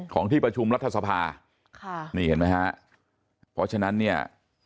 ที่ประชุมรัฐสภาค่ะนี่เห็นไหมฮะเพราะฉะนั้นเนี่ย